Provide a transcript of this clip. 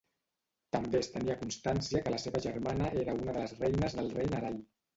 També es tenia constància que la seva germana era una de les reines del rei Narai.